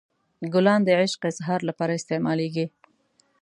ګلان د عشق اظهار لپاره استعمالیږي.